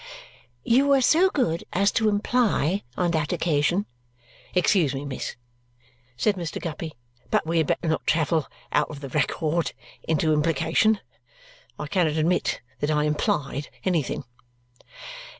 "You were so good as to imply, on that occasion " "Excuse me, miss," said Mr. Guppy, "but we had better not travel out of the record into implication. I cannot admit that I implied anything."